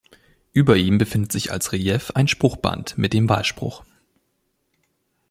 Über ihm befindet sich als Relief ein Spruchband mit dem Wahlspruch.